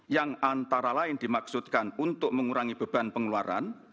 yang antara lain dimaksudkan untuk mengurangi beban pengeluaran